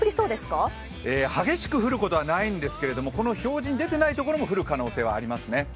激しく降ることはないんですけど、この表示に出ていない所も降る可能性はありますね。